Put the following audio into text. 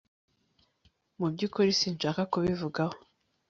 Mu byukuri sinshaka kubivugaho